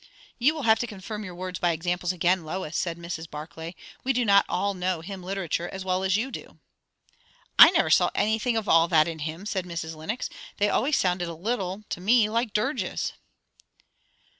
"You will have to confirm your words by examples again, Lois," said Mrs. Barclay. "We do not all know hymn literature as well as you do." "I never saw anything of all that in hymns," said Mrs. Lenox. "They always sound a little, to me, like dirges."